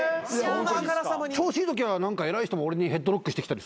調子いいときは偉い人も俺にヘッドロックしてきたり。